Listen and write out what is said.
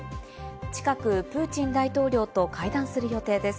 近く、プーチン大統領と会談する予定です。